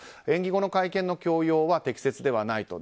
演技後の会見の強要は適切ではない。